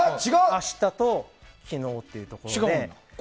明日と昨日っていうところで。